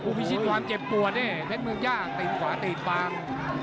พิชิตความเจ็บปวดเนี่ยเพชรเมืองย่าตีนขวาตีดบาง